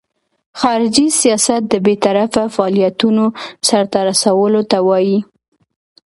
خارجي سیاست د بیطرفه فعالیتونو سرته رسولو ته وایي.